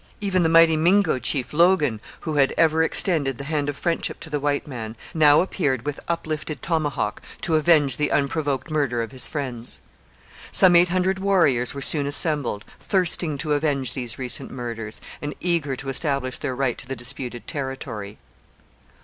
Even the mighty Mingo chief, Logan, who had ever extended the hand of friendship to the white man, now appeared with uplifted tomahawk to avenge the unprovoked murder of his friends. Some eight hundred warriors were soon assembled, thirsting to avenge these recent murders, and eager to establish their right to the disputed territory.